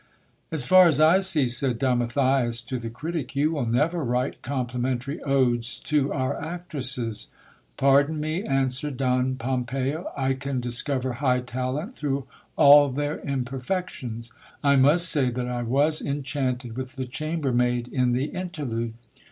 As far as I see, said Don Matthias to the critic, you will never write compli mentary odes to our actresses ! Pardon me, answered Don Pompeyo. I can discover high talent through all their imperfections. I must say that I was en chanted with the chambermaid in the interlude.